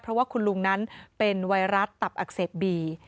เพราะว่าคุณลุงนั้นเป็นไวรัสตับอักเสบบี